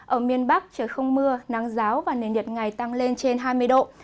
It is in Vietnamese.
ở miền bắc trời không mưa nắng giáo và nền nhiệt ngày tăng lên trên hai mươi độ